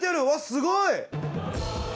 すごい！